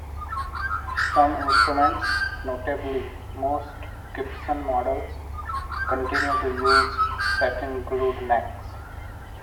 Some instruments-notably most Gibson models-continue to use set-in glued necks.